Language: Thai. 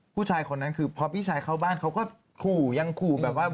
ผู้ชายคนนั้นคือพอพี่ชายเข้าบ้านเขาก็ขู่ยังขู่แบบว่า